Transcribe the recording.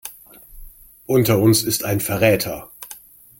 Unter uns ist ein Verräter.